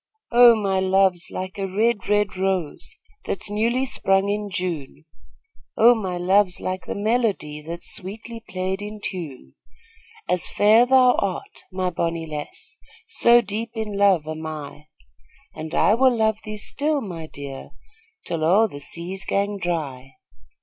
Oh, my luve's like a red, red rose, That's newly sprung in June; Oh, my luve's like the melodie, That's sweetly played in tune. As fair art thou, my bonnie lass, So deep in luve am I; And I will luve thee still, my dear, Till a' the seas gang dry.